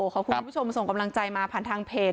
ขอบคุณผู้ชมส่งกำลังใจมาผ่านทางเพจ